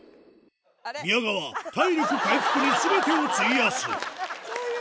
宮川、体力回復にすべてを費やす。